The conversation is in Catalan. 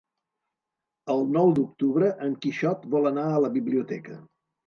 El nou d'octubre en Quixot vol anar a la biblioteca.